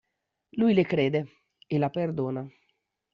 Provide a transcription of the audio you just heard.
Lui le crede e la perdona.